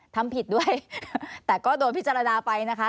ทำผิดด้วยแต่ก็โดนพิจารณาไปนะคะ